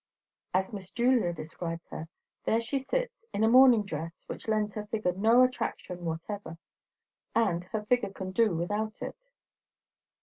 As Miss Julia described her, there she sits, in a morning dress which lends her figure no attraction whatever. And her figure can do without it.